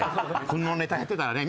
このネタやってたらね